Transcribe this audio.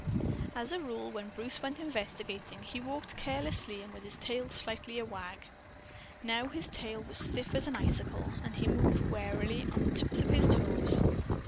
As a rule, when Bruce went investigating, he walked carelessly and with his tail slightly a wag. Now his tail was stiff as an icicle, and he moved warily, on the tips of his toes.